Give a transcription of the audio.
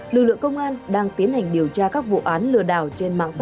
lực lượng công an đang tiến hành điều tra các vụ án lừa đảo trên mạng xã hội